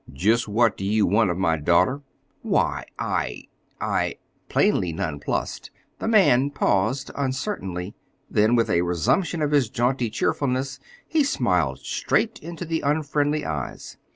"Just what do you want of my daughter?" "Why, I—I—" Plainly nonplused, the man paused uncertainly. Then, with a resumption of his jaunty cheerfulness, he smiled straight into the unfriendly eyes.